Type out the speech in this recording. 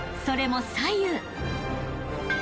［それも左右］